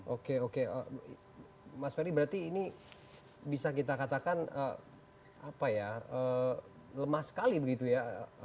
oke oke mas ferry berarti ini bisa kita katakan lemah sekali begitu ya